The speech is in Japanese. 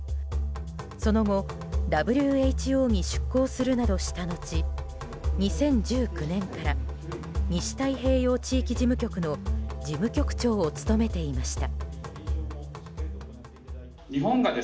その後ＷＨＯに出向するなどした後２０１９年から西太平洋地域事務局の事務局長を務めていました。